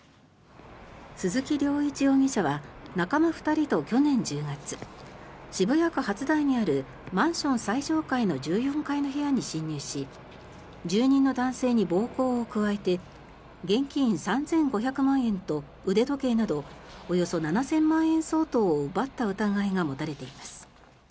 鈴木涼一容疑者は仲間２人と去年１０月渋谷区初台にあるマンション最上階の１４階の部屋に侵入し住人の男性に暴行を加えて現金３５００万円と腕時計などおよそ７０００万円相当を奪った疑いが持たれています。